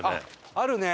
あるね。